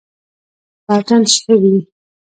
په اتڼ شوي